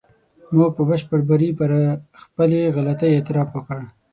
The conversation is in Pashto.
موږ په بشپړ بري پر خپلې غلطۍ اعتراف وکړ.